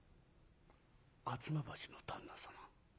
吾妻橋の旦那様」。